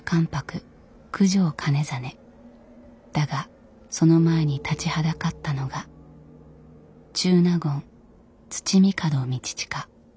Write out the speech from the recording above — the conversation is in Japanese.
だがその前に立ちはだかったのが中納言土御門通親。